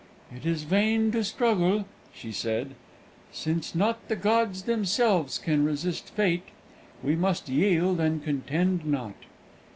"It is vain to struggle," she said, "since not the gods themselves can resist Fate. We must yield, and contend not."